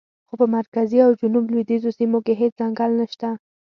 خو په مرکزي او جنوب لویدیځو سیمو کې هېڅ ځنګل نشته.